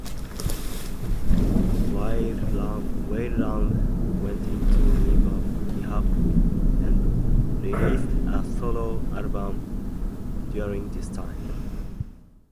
Weiland went into rehab and released a solo album during this time.